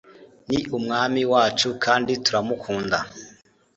Ni umwami wacu kandi turamukunda